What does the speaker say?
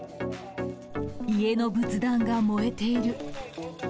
家の仏壇が燃えている。